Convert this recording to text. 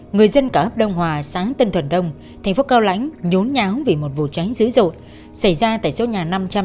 người dân cả ấp đông hòa xã tân thuận đông thành phố cao lãnh nhốn nháo vì một vụ cháy dữ dội xảy ra tại số nhà năm trăm linh chín